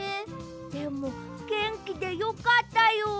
でもげんきでよかったよ。